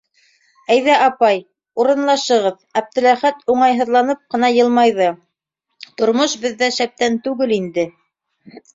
Әйҙә, апай, урынлашығыҙ, - Әптеләхәт уңайһыҙланып ҡына йылмайҙы, - тормош беҙҙә шәптән түгел инде...